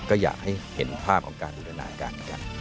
ก็อยากให้เห็นภาพของการบูรณาการเหมือนกัน